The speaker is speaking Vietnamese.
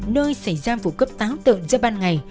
nơi xảy ra vụ cấp táo tượng ra ban ngày